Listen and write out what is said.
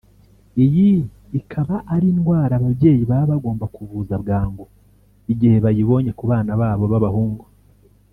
Iyi ikaba ari indwara ababyeyi baba bagomba kuvuza bwangu igihe bayibonye ku bana babo b’abahungu